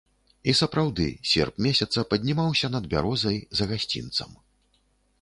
І сапраўды серп месяца паднімаўся над бярозай, за гасцінцам.